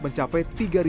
mencapai tiga per hari